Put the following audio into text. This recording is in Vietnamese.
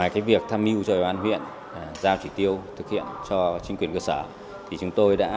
sinh sống tại quốc gia